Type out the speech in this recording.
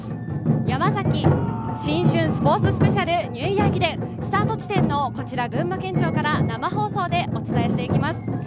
ヤマザキ新春スポーツスペシャルニューイヤー駅伝スタート地点のこちら群馬県庁から生放送でお伝えしていきます。